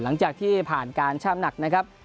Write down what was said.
หลังจากที่ผ่านการช่ำหนักนะครับ